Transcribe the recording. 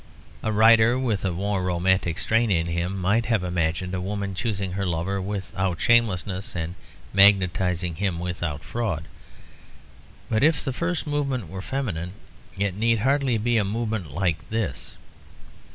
A writer with a more romantic strain in him might have imagined a woman choosing her lover without shamelessness and magnetising him without fraud. Even if the first movement were feminine, it need hardly be a movement like this.